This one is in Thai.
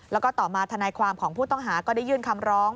แล้วก็ต่อมาธนายความของผู้ต้องหาก็ได้ยื่นคำร้อง